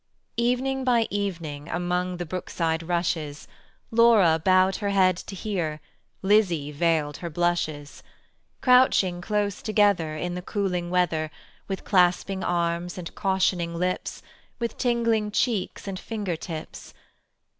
Evening by evening Among the brookside rushes, Laura bowed her head to hear, Lizzie veiled her blushes: Crouching close together In the cooling weather, With clasping arms and cautioning lips, With tingling cheeks and finger tips.